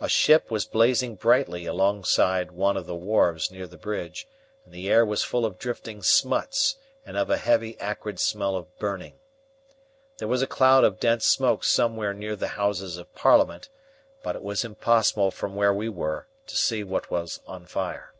A ship was blazing brightly alongside one of the wharves near the bridge, and the air was full of drifting smuts and of a heavy acrid smell of burning. There was a cloud of dense smoke somewhere near the Houses of Parliament, but it was impossible from where we were to see what was on fire.